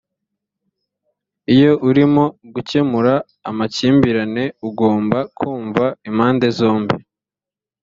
iyo urimo gukemura amakimbirane ugomba kumva impande zombi